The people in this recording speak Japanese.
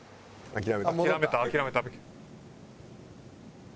諦めた諦めた。